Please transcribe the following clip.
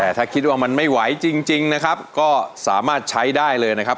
แต่ถ้าคิดว่ามันไม่ไหวจริงนะครับก็สามารถใช้ได้เลยนะครับ